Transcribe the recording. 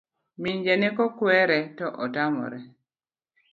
Min janeko kuere to otamore